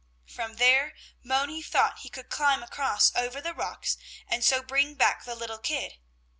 From there, Moni thought he could climb across over the rocks and so bring back the little kid.